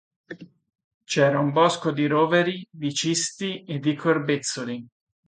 C'era un bosco di roveri, di cisti e di corbezzoli.